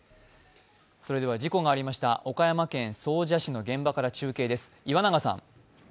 事故がありました岡山県総社市の現場から中継です。